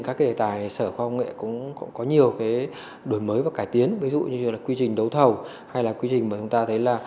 có nhiều đổi mới và cải tiến ví dụ như quy trình đấu thầu hay là quy trình mà chúng ta thấy là